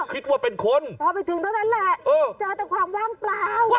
คิดว่าเป็นคนพอไปถึงเท่านั้นแหละเจอแต่ความว่างเปล่า